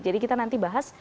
jadi kita nanti bahas